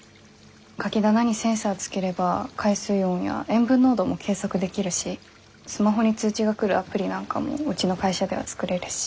カキ棚にセンサーつければ海水温や塩分濃度も計測できるしスマホに通知が来るアプリなんかもうちの会社では作れるし。